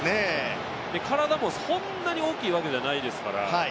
体もそんなに大きいわけじゃないですから。